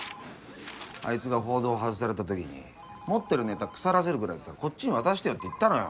あいつが報道外されたときに持ってるネタ腐らせるぐらいだったらこっちに渡してよって言ったのよ。